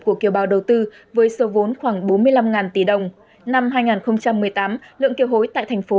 của kiều bào đầu tư với số vốn khoảng bốn mươi năm tỷ đồng năm hai nghìn một mươi tám lượng kiều hối tại thành phố